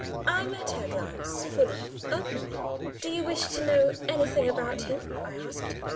I met her glance fully, openly. "Do you wish to know anything about him?" I asked.